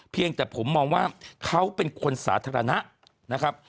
เพียงแต่ผมมองว่าเขาเป็นคนสาธารณะนะครับ